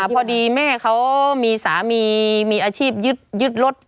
พอดีแม่เขามีสามีมีอาชีพยึดรถ